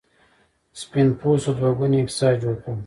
سپین پوستو دوه ګونی اقتصاد جوړ کړ.